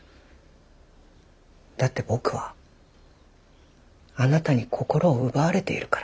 だって僕はあなたに心を奪われているから。